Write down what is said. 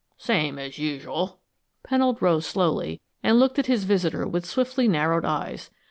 "Same as usual." Pennold rose slowly and looked at his visitor with swiftly narrowed eyes.